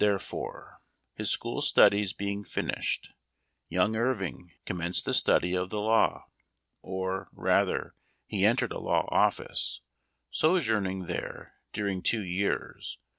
T si:: :refore, his school studies being finished, young Irving com menced the study of the law, or, rather, he entered a law office, sojourning there during two .